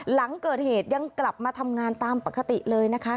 หลังเกิดเหตุยังกลับมาทำงานตามปกติเลยนะคะ